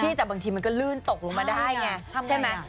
นี่แต่บางทีมันก็ลื่นตกลงมาได้ไงใช่ไหม